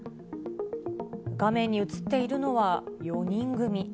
画面に写っているのは４人組。